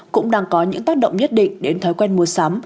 cũng đang có những tác động nhất định đến thói quen mua sắm